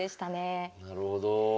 なるほど。